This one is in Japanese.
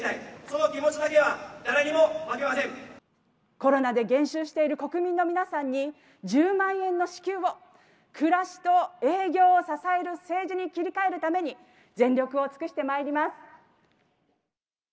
コロナで減収している国民の皆さんに１０万円の支給を暮らしと営業を支える政治に切り替えるために全力を尽くしてまいります。